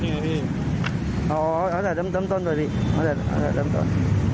นี่ไงพี่อ๋อเอาแต่ดำต้นด้วยดิเอาแต่ดำต้น